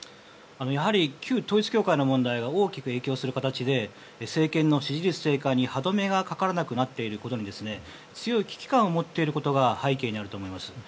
やはり旧統一教会の問題が大きく影響する形で政権の支持率低下に歯止めがかからなくなっていることに強い危機感を持っていることが背景にあると思います。